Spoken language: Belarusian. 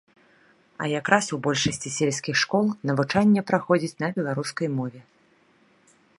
А якраз у большасці сельскіх школ навучанне праходзіць на беларускай мове.